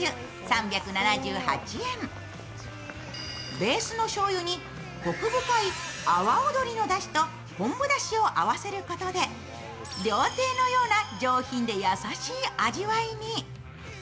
ベースのしょうゆにこく深い阿波尾鶏のだしと昆布だしを合わせることで、料亭のような上品で優しい味わいに。